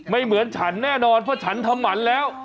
เหมือนฉันแน่นอนเพราะฉันทำหมันแล้ว